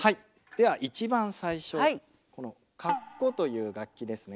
では一番最初この鞨鼓という楽器ですね。